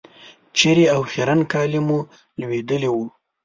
چېرې او خیرن کالي مو لوېدلي وو.